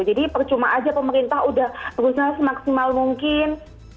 jadi percuma saja pemerintah sudah berusaha semaksimal mungkin